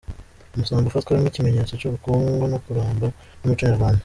Umusambi ufatwa nk’ikimenyetso cy’ubukungu no kuramba mu muco nyarwanda.